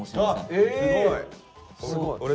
あすごい。